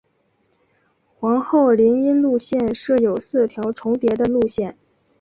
皇后林荫路线设有四条重叠的路线。